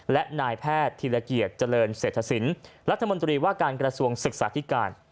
และนายแพทย์ธีรเกียจเจริญเศรษฐศิลป์รัฐมนตรีว่าการกระทรวงศึกษาธิการ